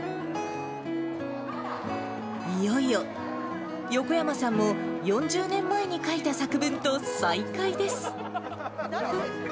いよいよ、横山さんも４０年前に書いた作文と再会です。